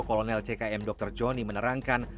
kolonel ckm dr joni menerangkan